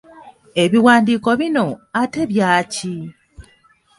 Ebiwandiiko bino, ate ebyaki?